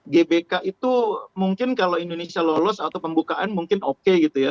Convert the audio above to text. gbk itu mungkin kalau indonesia lolos atau pembukaan mungkin oke gitu ya